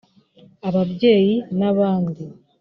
ababyeyi n’abandi